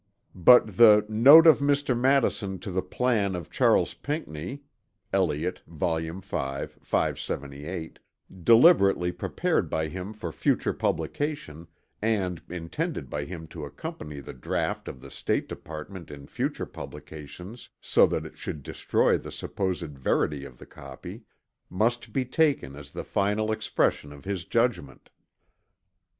But the "Note of Mr. Madison to the Plan of Charles Pinckney" (Elliot Vol. 5, 578) deliberately prepared by him for future publication, and intended by him to accompany the draught of the State Department in future publications so that it should destroy the supposed verity of the copy, must be taken as the final expression of his judgment.